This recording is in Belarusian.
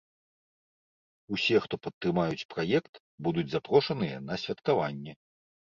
Усе, хто падтрымаюць праект, будуць запрошаныя на святкаванне.